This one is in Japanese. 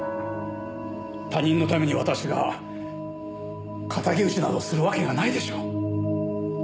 他人のために私が敵討ちなどするわけがないでしょう。